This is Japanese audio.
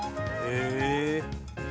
へえ。